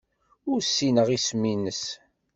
Ur ssineɣ isem-nnes.